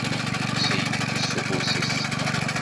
D ulli-s i ikess s ufus-is.